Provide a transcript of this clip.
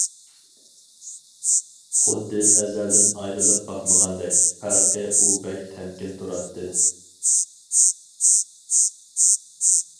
خۇددى ئەزەلدىن ئايرىلىپ باقمىغاندەك، پەرقى ئۇ بەك تەمكىن تۇراتتى.